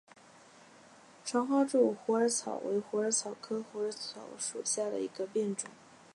长花柱虎耳草为虎耳草科虎耳草属下的一个变种。